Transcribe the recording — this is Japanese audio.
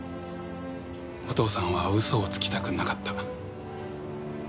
お父さんは嘘をつきたくなかった。